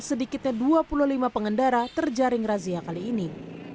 sedikitnya dua puluh lima pengendara terjaring razia kali ini